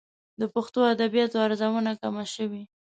د پښتو ادبياتو ارزونه کمه شوې.